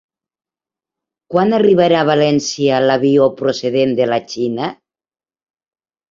Quan arribarà a València l'avió procedent de la Xina?